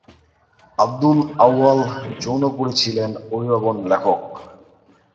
আবদুল আউয়াল জৌনপুরী ছিলেন প্রতিভাবান লেখক।